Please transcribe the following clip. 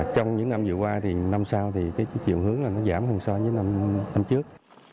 trong những năm vừa qua năm sau thì chiều hướng giảm hơn so với năm trước